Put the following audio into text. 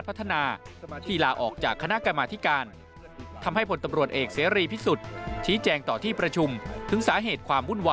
การประชาที่นายโดนเหตุตระกูล